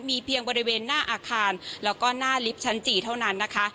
มีเพียงบริเวณหน้าอาคารแล้วก็หน้าลิฟท์ชั้นจี่เท่านั้นนะคะ